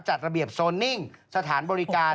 จัดระเบียบโซนนิ่งสถานบริการ